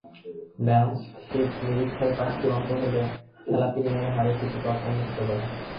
Balance sheet নিরীক্ষার কাজ চূড়ান্ত হলে খেলাপি ঋণের হারে কিছু তারতম্য হতে পারে।